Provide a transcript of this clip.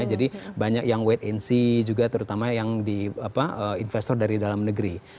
jadi banyak yang wait and see juga terutama yang investor dari dalam negeri